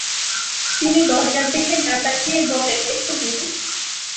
তিনি দরজার দিকে না তাকিয়েই বললেন, এস নীলু।